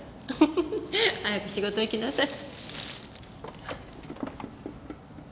フフフ早く仕事行きなさい。